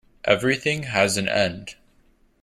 Everything has an end.